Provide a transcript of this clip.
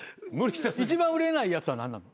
一番売れないやつは何なの？